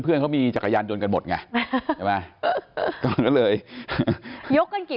เพื่อนเขามีจักรยานจนกันหมดไง